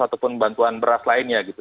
ataupun bantuan beras lainnya gitu